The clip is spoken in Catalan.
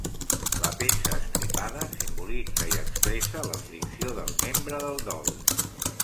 La peça estripada simbolitza i expressa l'aflicció del membre del dol.